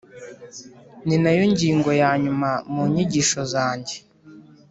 ni na yo ngingo ya nyuma mu nyigisho zanjye.